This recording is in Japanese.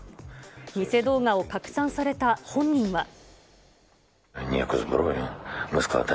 偽動画を拡散された本人は。